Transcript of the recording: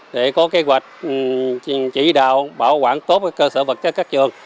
để có kế hoạch chỉ đạo bảo quản tốt cơ sở vật chất các trường